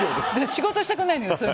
仕事したくないのよ。